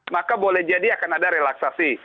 maka boleh jadi akan ada relaksasi